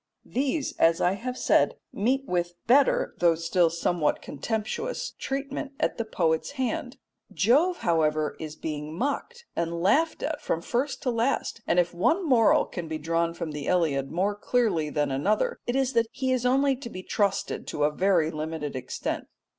These, as I have said, meet with better, though still somewhat contemptuous, treatment at the poet's hand. Jove, however, is being mocked and laughed at from first to last, and if one moral can be drawn from the Iliad more clearly than another, it is that he is only to be trusted to a very limited extent.